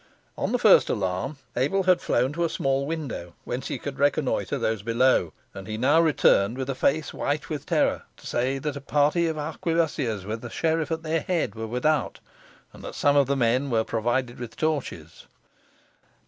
On the first alarm Abel had flown to a small window whence he could reconnoitre those below, and he now returned with a face white with terror, to say that a party of arquebussiers, with the sheriff at their head, were without, and that some of the men were provided with torches.